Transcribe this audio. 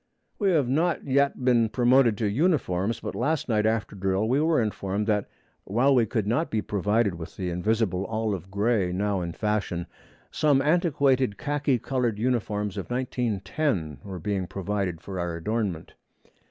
We have not yet been promoted to uniforms, but last night after drill we were informed that while we could not be provided with the invisible olive gray now in fashion, some antiquated khaki colored uniforms of 1910 were being provided for our adornment.